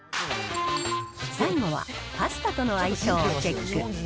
最後は、パスタとの相性をチェック。